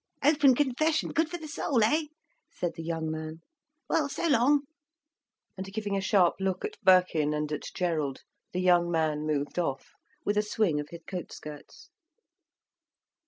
"Open confession—good for the soul, eh?" said the young man. "Well, so long." And giving a sharp look at Birkin and at Gerald, the young man moved off, with a swing of his coat skirts.